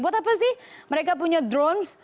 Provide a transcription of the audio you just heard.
buat apa sih mereka punya drones